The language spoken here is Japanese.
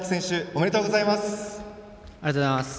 おめでとうございます。